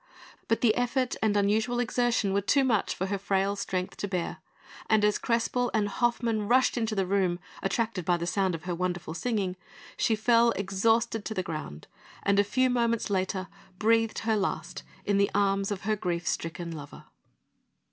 But the effort and unusual exertion were too much for her frail strength to bear; and as Crespel and Hoffmann rushed into the room, attracted by the sound of her wonderful singing, she fell, exhausted to the ground, and, a few moments later, breathed her last in the arms of her grief stricken lover.